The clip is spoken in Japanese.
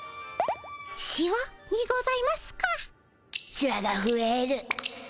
シワがふえる。